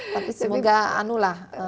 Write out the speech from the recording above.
tapi semoga anu lah